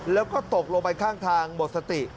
แล้วก็ตกลงไปข้างทางหมดสติ